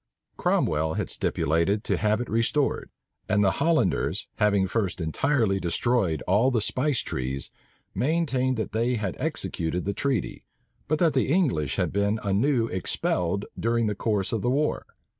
Cromwell had stipulated to have it restored; and the Hollanders, having first entirely destroyed all the spice trees, maintained that they had executed the treaty, but that the English had been anew expelled during the course of the war.